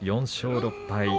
４勝６敗。